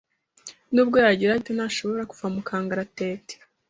Nubwo yagerageza gute, ntashobora kuva mu kangaratete.